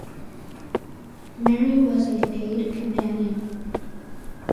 Mary was a paid companion.